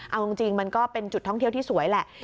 เอาจริงมันก็เป็นจุดท่องเที่ยวที่สวยแหละ